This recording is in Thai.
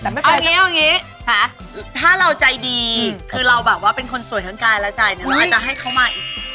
เอาอย่างนี้ถ้าเราใจดีคือเราแบบว่าเป็นคนสวยทั้งกายแล้วใจเนี่ยเราอาจจะให้เข้ามาอีก